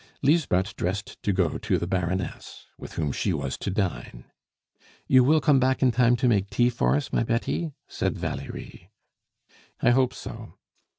Lisbeth dressed to go to the Baroness, with whom she was to dine. "You will come back in time to make tea for us, my Betty?" said Valerie. "I hope so."